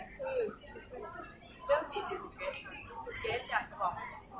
ก็ให้ให้ทุกคนมันฝึกมากมากะนะคะ